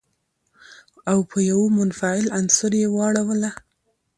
او په يوه منفعل عنصر يې واړوله.